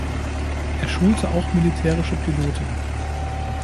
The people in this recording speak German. Er schulte auch militärische Piloten.